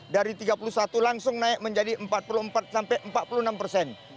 dari tiga puluh satu langsung naik menjadi empat puluh empat sampai empat puluh enam persen